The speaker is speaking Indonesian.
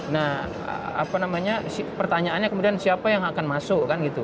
nah pertanyaannya kemudian siapa yang akan masuk kan gitu